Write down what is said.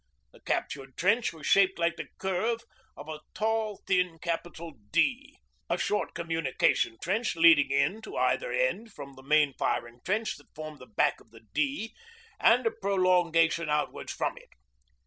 The captured trench was shaped like the curve of a tall, thin capital D, a short communication trench leading in to either end from the main firing trench that formed the back of the D and a prolongation outwards from it.